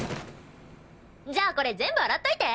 じゃあこれ全部洗っといて！